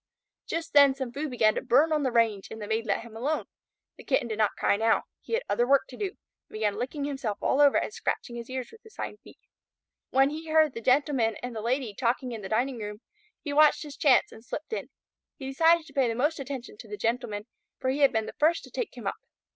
Just then some food began to burn on the range and the Maid let him alone. The Kitten did not cry now. He had other work to do, and began licking himself all over and scratching his ears with his hind feet. When he heard the Gentleman and the Lady talking in the dining room, he watched his chance and slipped in. He decided to pay the most attention to the Gentleman, for he had been the first to take him up.